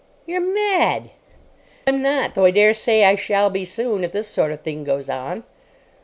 "You're mad." "I'm not, though I dare say I shall be soon, if this sort of thing goes on."